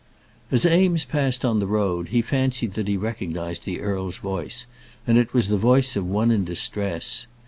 As Eames paused on the road, he fancied that he recognized the earl's voice, and it was the voice of one in distress.